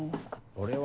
俺は。